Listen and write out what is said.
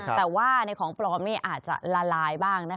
แต่ว่าในของปลอมอาจจะละลายบ้าง